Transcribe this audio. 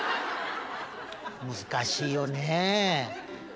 難しいよね。